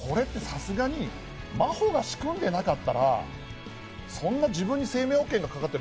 これってさすがに真帆が仕組んでなかったら自分に生命保険がかかってる。